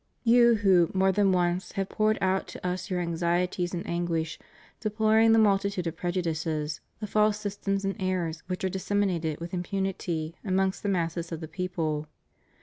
You who, more than once, have poured out to Us your anxieties and anguish, deploring the multitude of prejudices, the false systems and errors which are dis seminated with impunity amongst the masses of the people.